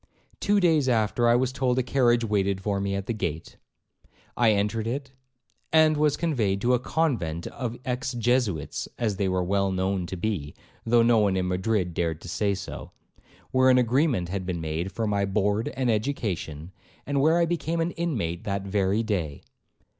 Two days after I was told a carriage waited for me at the gate. I entered it, and was conveyed to a convent of Ex Jesuits, (as they were well known to be, though no one in Madrid dared to say so), where an agreement had been made for my board and education, and where I became an inmate that very day.